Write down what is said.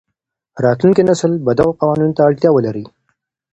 راتلونکی نسل به دغو قوانینو ته اړتیا ولري.